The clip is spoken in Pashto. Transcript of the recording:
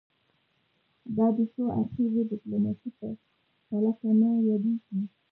دا د څو اړخیزه ډیپلوماسي په پرتله کمه یادیږي